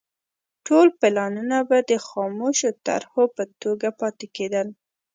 ټول پلانونه به د خامو طرحو په توګه پاتې کېدل.